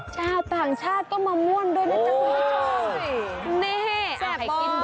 ชาวต่างชาติก็มาม่วนด้วยนะจ๊ะคุณผู้ชมนี่ชอบกิน